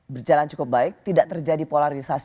berjalan cukup baik tidak terjadi polarisasi